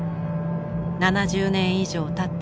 ７０年以上たった